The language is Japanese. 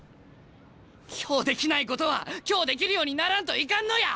今日できないことは今日できるようにならんといかんのや！